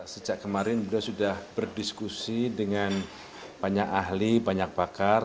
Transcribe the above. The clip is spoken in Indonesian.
sejak kemarin sudah berdiskusi dengan banyak ahli banyak bakar